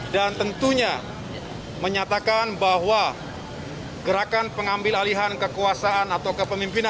dan tentunya menyatakan bahwa gerakan pengambil alihan kekuasaan atau kepemimpinan